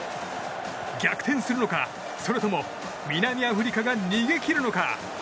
逆転するのか、それとも南アフリカが逃げ切るのか。